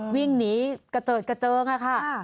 วิ่งหนีกระเจิดกระเจิงค่ะ